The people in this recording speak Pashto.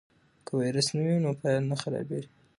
که ویروس نه وي نو فایل نه خرابېږي.